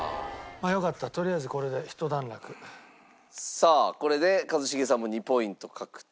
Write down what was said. さあこれで一茂さんも２ポイント獲得。